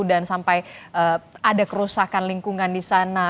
dan sampai ada kerusakan lingkungan di sana